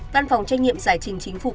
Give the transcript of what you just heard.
văn phòng trách nhiệm giải trình chính phủ